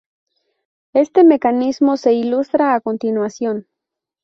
Este mecanismo se ilustra a continuación.